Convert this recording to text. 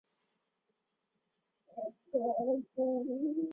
篦子三尖杉为三尖杉科三尖杉属的植物。